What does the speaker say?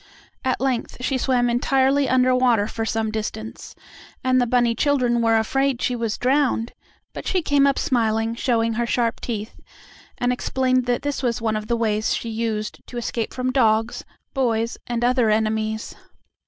At length she swam entirely under water for some distance, and the bunny children were afraid she was drowned, but she came up smiling, showing her sharp teeth, and explained that this was one of the ways she used to escape from dogs, boys and other enemies.